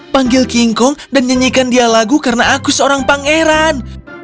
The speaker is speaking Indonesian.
panggil king kong dan nyanyikan dia lagu karena aku seorang pangeran